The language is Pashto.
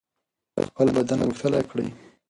خپل بدن غښتلی کړئ.